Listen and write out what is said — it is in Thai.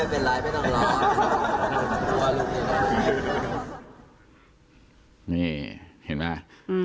นี่เห็นไหม